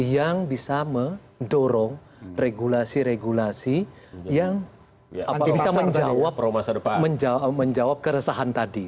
yang bisa mendorong regulasi regulasi yang bisa menjawab keresahan tadi